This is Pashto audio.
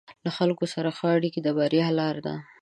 له خلکو سره ښه اړیکې د بریا لاره ده.